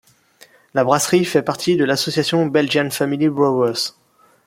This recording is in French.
La brasserie fait partie de l'association Belgian Family Brewers.